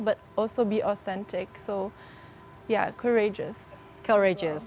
atau ketika anda berdiri di atas panggung